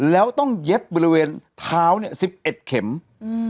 แล้วต้องเย็บบริเวณเท้าเนี้ยสิบเอ็ดเข็มอืม